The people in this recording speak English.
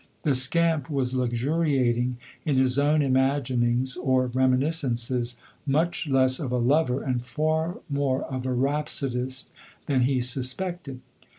The scamp was luxuriating in his own imaginings or reminiscences, much less of a lover and far more of a rhapsodist than he suspected.